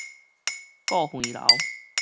划橫流